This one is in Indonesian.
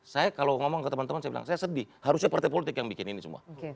saya kalau ngomong ke teman teman saya bilang saya sedih harusnya partai politik yang bikin ini semua